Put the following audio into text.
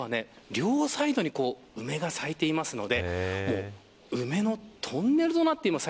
ちょうどこの奥は両サイドに梅が咲いていますので梅のトンネルとなっています。